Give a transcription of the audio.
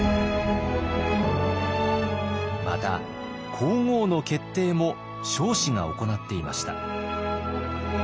また皇后の決定も彰子が行っていました。